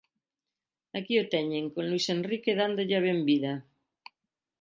Aquí o teñen con Luís Enrique dándolle a benvida.